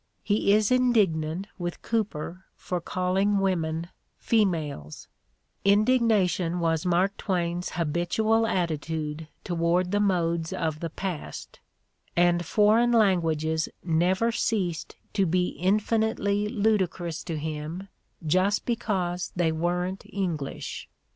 He is indignant with Cooper for calling women "females": indignation was Mark Twain's habitual attitude toward the modes of the past; and foreign languages never ceased to be infinitely ludicrous to him just because they weren't English.